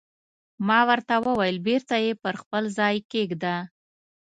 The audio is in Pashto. ما ورته وویل: بېرته یې پر خپل ځای کېږده.